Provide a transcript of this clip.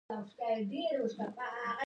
د نګهتونو ښار ته